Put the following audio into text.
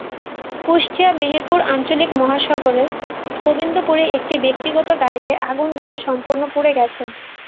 কুষ্টিয়া-মেহেরপুর আঞ্চলিক মহাসড়কের গোবিন্দপুরে একটি ব্যক্তিগত গাড়িতে আগুন লেগে সম্পূর্ণ পুড়ে গেছে।